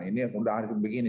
ini undangan begini